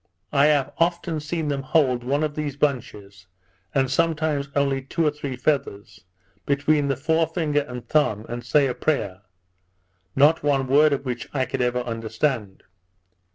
I have often seen them hold one of these bunches, and sometimes only two or three feathers, between the fore finger and thumb, and say a prayer, not one word of which I could ever understand.